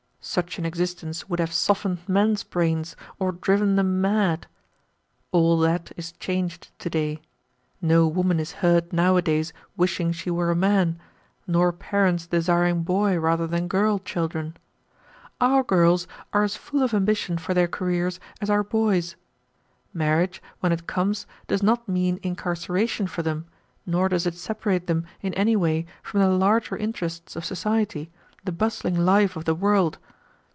Such an existence would have softened men's brains or driven them mad. All that is changed to day. No woman is heard nowadays wishing she were a man, nor parents desiring boy rather than girl children. Our girls are as full of ambition for their careers as our boys. Marriage, when it comes, does not mean incarceration for them, nor does it separate them in any way from the larger interests of society, the bustling life of the world.